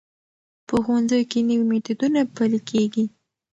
په ښوونځیو کې نوي میتودونه پلي کېږي.